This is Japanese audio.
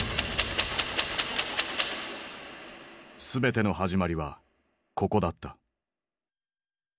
全ての始まりはここだった。